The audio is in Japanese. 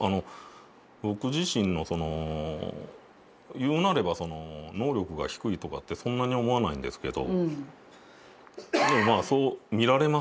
ぼく自身のその言うなれば能力が低いとかってそんなに思わないんですけどでもまあそう見られますね。